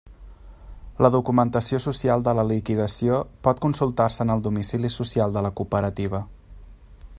La documentació social de la liquidació pot consultar-se en el domicili social de la cooperativa.